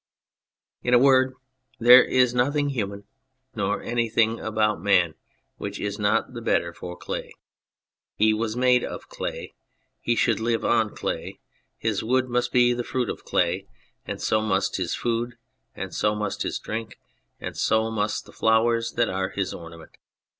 In a word, there is nothing human nor anything about man which is not the better for clay. He was made of clay, he should live on clay, his wood must be the fruit of clay, and so must his food, and so must his drink, and so must the flowers that are his ornament.